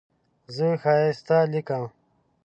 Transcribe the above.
زه ښایسته لیکم.